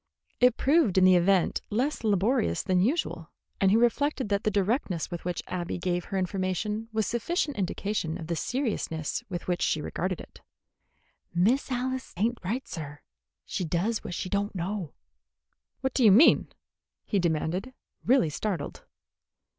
It proved in the event less laborious than usual, and he reflected that the directness with which Abby gave her information was sufficient indication of the seriousness with which she regarded it. "Miss Alice ain't right, sir. She does what she don't know." "What do you mean?" he demanded, really startled.